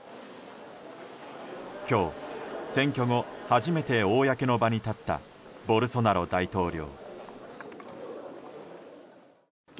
今日、選挙後初めて公の場に立ったボルソナロ大統領。